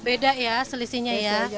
beda ya selisihnya ya